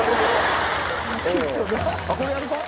これやるか。